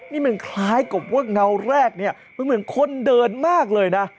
นี่มันคล้ายกับว่าเงาแรกเนี่ยมันเหมือนคนเดินมากเลยนะ